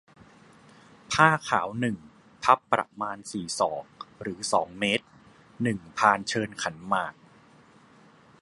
ผ้าขาว หนึ่ง พับ ประมาณ สี่ ศอก หรือ สอง เมตร หนึ่ง พานเชิญขันหมาก